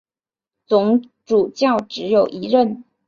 总主教只有一任。